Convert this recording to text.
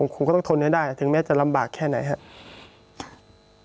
คุณก็ต้องทนให้ได้ถึงแม้จะลำบากแค่ไหนครับ